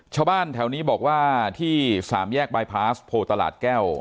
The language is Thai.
ชาวบ้านแถวนี้บอกว่าที่สามแยกบายพาสโพตลาดแก้ว